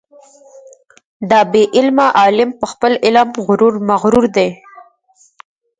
دا بې علمه عالم په خپل علم مغرور دی.